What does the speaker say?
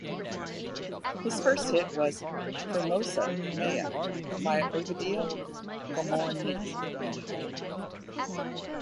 His first hit was "Frumoasa mea" by Ovidiu Komornyc.